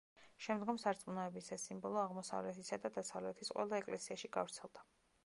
შემდგომ სარწმუნოების ეს სიმბოლო აღმოსავლეთისა და დასავლეთის ყველა ეკლესიაში გავრცელდა.